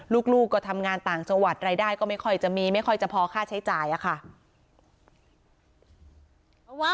ลูกก็ทำงานต่างจังหวัดรายได้ก็ไม่ค่อยจะมีไม่ค่อยจะพอค่าใช้จ่ายอะค่ะ